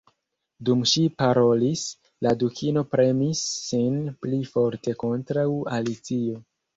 Dum ŝi parolis, la Dukino premis sin pli forte kontraŭ Alicio.